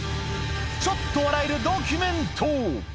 ちょっと笑えるドキュメント。